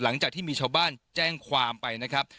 หลังจากที่มีชาวบ้านแจ้งความไปนะครับ